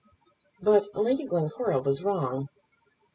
But Lady Glencora was wrong.